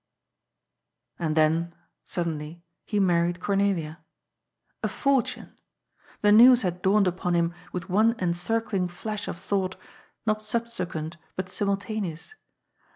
And, then, suddenly, he married Cornelia. A fortune I The news had dawned upon him with one encircling flash of thought, not subsequent but simultaneous.